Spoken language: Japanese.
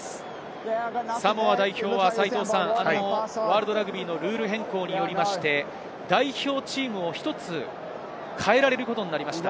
サモア代表はワールドラグビーのルール変更によりまして、代表チームを１つ変えられることになりました。